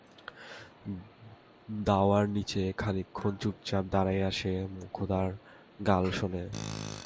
দাওয়ার নিচে খানিকক্ষণ চুপচাপ দাড়াইয়া সে মোক্ষদার গাল শোনে।